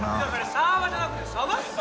サーバーじゃなくて鯖っすよ！